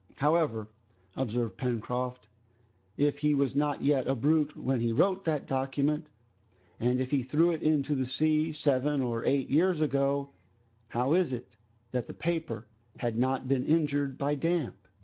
"However," observed Pencroft, "if he was not yet a brute when he wrote that document, and if he threw it into the sea seven or eight years ago, how is it that the paper has not been injured by damp?"